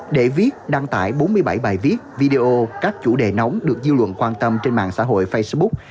để viết đăng tải bốn mươi bảy bài viết video các chủ đề nóng được dư luận quan tâm trên mạng xã hội facebook